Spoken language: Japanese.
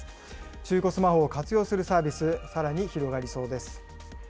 中古スマホを活用するサービス、さらに広がりそうです。